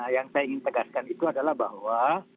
yang saya ingin tegaskan itu adalah bahwa